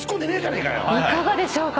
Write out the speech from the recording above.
いかがでしょうか？